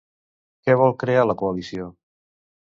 Què vol crear la coalició?